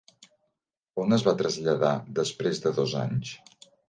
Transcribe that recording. On es va traslladar després de dos anys?